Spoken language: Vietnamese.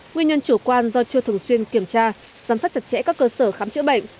nguyên nhân chủ quan do chưa thường xuyên kiểm tra giám sát chặt chẽ các cơ sở khám chữa bệnh